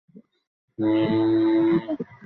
মনে হয় আমি এতটা ছোটও নই যে তোমাকে জড়িয়ে ধরে বাই করব।